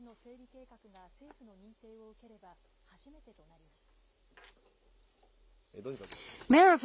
計画が政府の認定を受ければ初めてとなります。